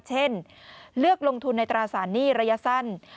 เช่นเลือกลงทุนในตราสารหนี้ระยะสั้น